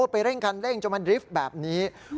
ไปเร่งคันเร่งจนมันดริฟต์แบบนี้